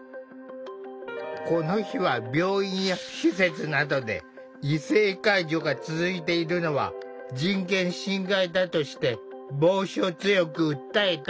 この日は病院や施設などで異性介助が続いているのは人権侵害だとして防止を強く訴えた。